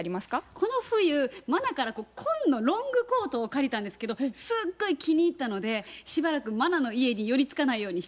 この冬茉奈から紺のロングコートを借りたんですけどすっごい気に入ったのでしばらく茉奈の家に寄りつかないようにしてました。